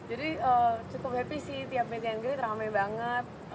iya jadi cukup happy sih tiap meeting yang gue diterima rame banget